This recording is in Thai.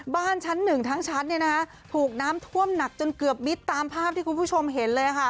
บ้านชั้นหนึ่งทั้งชั้นถูกน้ำท่วมหนักจนเกือบมิดตามภาพที่คุณผู้ชมเห็นเลยค่ะ